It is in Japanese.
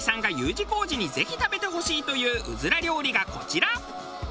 Ｕ字工事にぜひ食べてほしいといううずら料理がこちら。